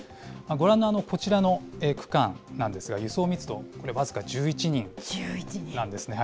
ご覧のこちらの区間なんですが、輸送密度、これ僅か１１人なんですね。